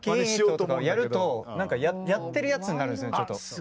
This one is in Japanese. やると何かやってるやつになるんですよねちょっと。